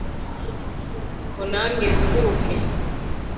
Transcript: ngo nange nduhuke